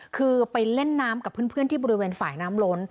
คือไปเล่นน้ำกับเพื่อนที่บริเวณฝ่ายน้ำล้น